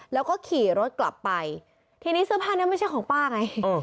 แล้วก็ขี่รถกลับไปทีนี้เสื้อผ้านั้นไม่ใช่ของป้าไง